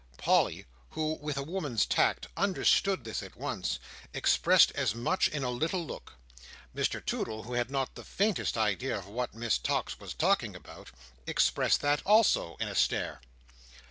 Polly, who, with a woman's tact, understood this at once, expressed as much in a little look. Mr Toodle, who had not the faintest idea of what Miss Tox was talking about, expressed that also, in a stare.